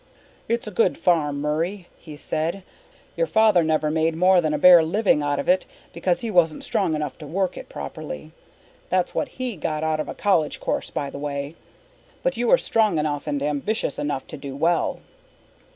"It's a good farm, Murray," he said. "Your father never made more than a bare living out of it because he wasn't strong enough to work it properly that's what he got out of a college course, by the way. But you are strong enough and ambitious enough to do well."